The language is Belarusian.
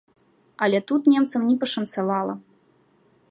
Але тут немцам не пашанцавала.